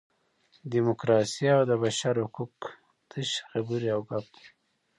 ډیموکراسي او د بشر حقوق تشې خبرې او ګپ دي.